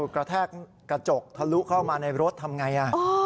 กระแทกกระจกทะลุเข้ามาในรถทำไง